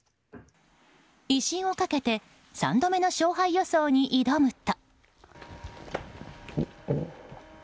威信をかけて３度目の勝敗予想に挑むと。